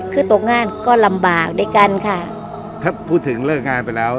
คือตกงานก็ลำบากด้วยกันค่ะถ้าพูดถึงเลิกงานไปแล้ว